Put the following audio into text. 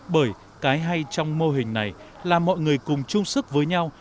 bởi cái hay trong mô hình này là mọi người cùng chung sức với nhau